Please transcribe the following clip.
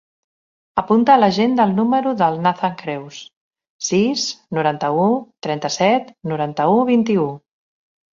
Apunta a l'agenda el número del Nathan Creus: sis, noranta-u, trenta-set, noranta-u, vint-i-u.